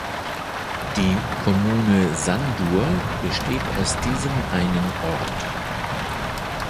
Die "Kommune Sandur" besteht aus diesem einen Ort.